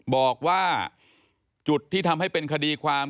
บอกว่าจุดที่ทำให้เป็นคดีความ